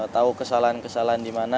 tahu kesalahan kesalahan di mana